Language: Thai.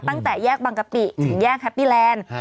ตั้งแต่แยกบางกะปิถึงแยกแฮปปี้แลนด์